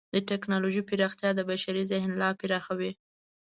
د ټکنالوجۍ پراختیا د بشري ذهن لا پراخوي.